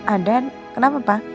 ada kenapa pak